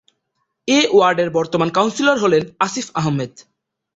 এ ওয়ার্ডের বর্তমান কাউন্সিলর হলেন আসিফ আহমেদ।